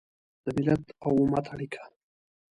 د ملت او امت اړیکه